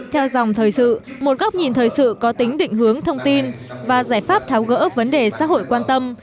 theo dòng thời sự một góc nhìn thời sự có tính định hướng thông tin và giải pháp tháo gỡ vấn đề xã hội quan tâm